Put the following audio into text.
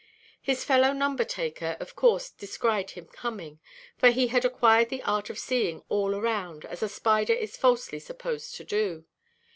His fellow "number–taker" of course descried him coming; for he had acquired the art of seeing all round, as a spider is falsely supposed to do.